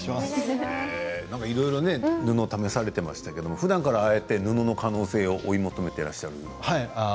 いろいろ布を試されていましたがふだんから布の可能性を追い求めていらっしゃる？